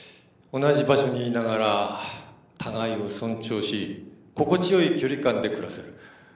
同じ場所にいながら互いを尊重し心地よい距離感で暮らせる。